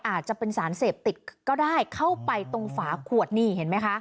อาจจะเป็นสารเสพติดก็ได้เข้าไปตรงฝาขวดนี่เห็นไหมคะ